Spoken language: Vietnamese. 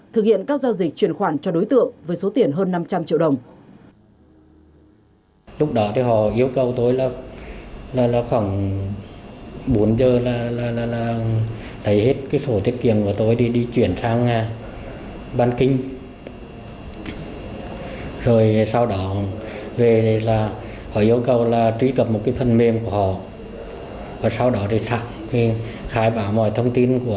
thực hiện các giao dịch chuyển khoản cho đối tượng với số tiền hơn năm trăm linh triệu đồng